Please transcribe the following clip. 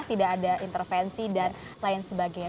tidak ada intervensi dan lain sebagainya